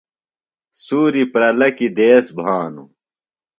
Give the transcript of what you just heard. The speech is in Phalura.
سُوری پرلہ کیۡ دیس بھانوۡ۔